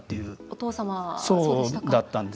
お父様、そうでしたか。